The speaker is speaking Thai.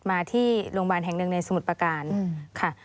มาที่โรงพยาบาลแห่งหนึ่งในสมุทรประการค่ะ